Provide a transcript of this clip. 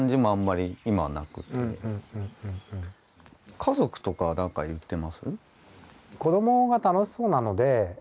家族とかなんか言ってます？